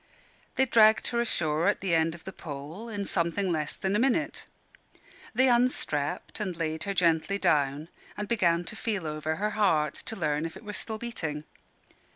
They dragged her ashore at the end of the pole in something less than a minute. They unstrapped and laid her gently down, and began to feel over her heart, to learn if it were still beating.